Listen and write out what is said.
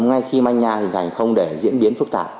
ngay khi manh nha hình thành không để diễn biến phức tạp